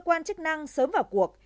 cơ quan chức năng sớm vào cuộc